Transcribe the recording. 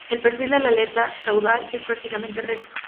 El perfil de la aleta caudal es prácticamente recto.